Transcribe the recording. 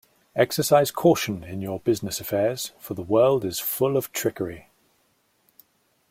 Exercise caution in your business affairs, for the world is full of trickery.